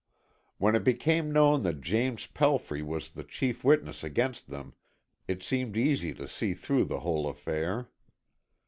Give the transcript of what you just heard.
When it became known that James Pelfrey was the chief witness against them, it seemed easy to see through the whole affair.